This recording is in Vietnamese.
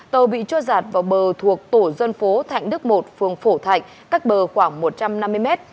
tàu bị trôi giạt vào bờ thuộc tổ dân phố thạnh đức một phường phổ thạnh cách bờ khoảng một trăm năm mươi mét